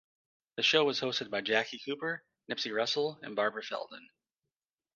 The show was hosted by Jackie Cooper, Nipsey Russell and Barbara Feldon.